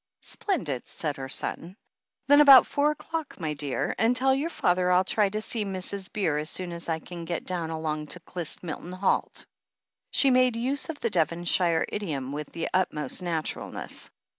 "Splendid," said her son. "Then about four o'clock, my dear. And tell your father I'll try and see Mrs. Beer as soon as I can get down along to Clyst Milton Halt." She made use of the Devonshire idiom with the utmost naturalness.